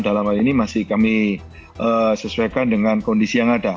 dalam hal ini masih kami sesuaikan dengan kondisi yang ada